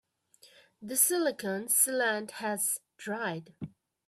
The silicon sealant has dried.